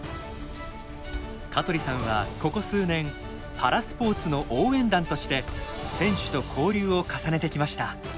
香取さんはここ数年パラスポーツの応援団として選手と交流を重ねてきました。